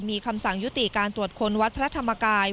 มีคำสั่งยุติการตรวจค้นวัดพระธรรมกาย